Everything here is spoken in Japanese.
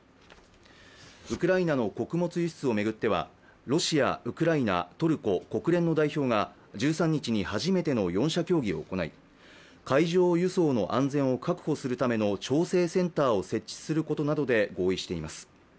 ウクライナの穀物輸出を巡ってはロシア、ウクライナトルコ、国連の代表が１３日に初めての４者協議を行い海上輸送の安全を確保するための調整センターを設置することなどで合意しています。